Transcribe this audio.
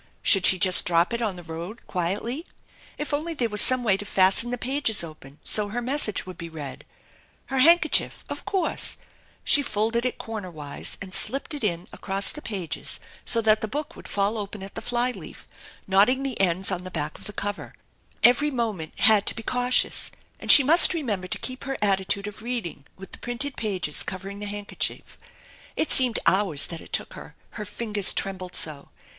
Should she just drop it in the road quietly ? If only there were some way to fasten the pages open so her message would be read! Her handkerchief ! Of course ! She folded it cornerwise and slipped it in across the pages so that the book would fall open at the fly leaf, knotting the ends on the back of the cover. Every moment had to be cautious, and she must remember to keep her attitude of reading with the printed pages cover ing the handkerchief. It seemed hours that it took her, her fingers trembled so.